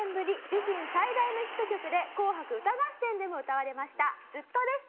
自身最大のヒット曲で『紅白歌合戦』でも歌われました『ＺＵＴＴＯ』です。